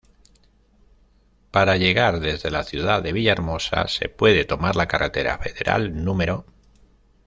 Para llegar desde la ciudad de Villahermosa, se puede tomar la carretera federal No.